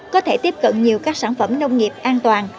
có thể tiếp cận nhiều các sản phẩm nông nghiệp an toàn